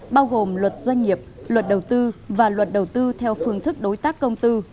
bao gồm luật doanh nghiệp luật đầu tư và luật đầu tư theo phương thức đối tác công tư